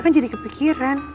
kan jadi kepikiran